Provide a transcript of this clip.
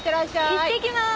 いってきまーす！